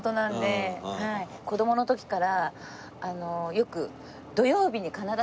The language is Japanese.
子供の時からよく。